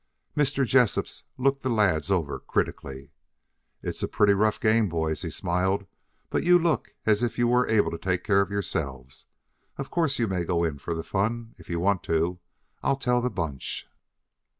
Mr. Jessup looked the lads over critically. "It's a pretty rough game, boys," he smiled. "But you look as if you were able to take care of yourselves. Of course you may go in for the fun if you want to. I'll tell the bunch."